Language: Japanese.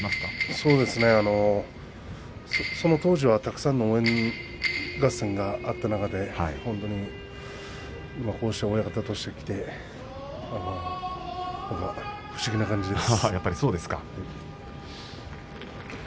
そうですねその当時はたくさんの応援合戦があった中でこうして親方として来て不思議な感じです。